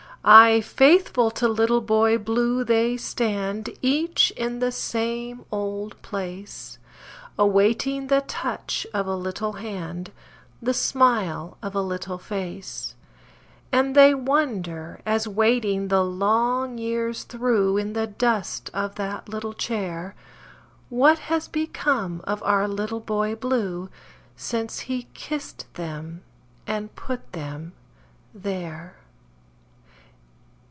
Aye, faithful to Little Boy Blue they stand, Each in the same old place Awaiting the touch of a little hand, The smile of a little face; And they wonder, as waiting the long years through In the dust of that little chair, What has become of our Little Boy Blue, Since he kissed them and put them there.